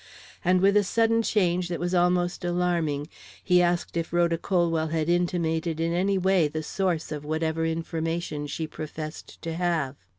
And, with a sudden change that was almost alarming, he asked if Rhoda Colwell had intimated in any way the source of whatever information she professed to have.